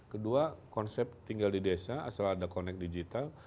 kedua konsep tinggal di desa asal ada connect digital